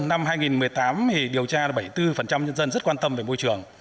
năm hai nghìn một mươi tám thì điều tra là bảy mươi bốn nhân dân rất quan tâm về môi trường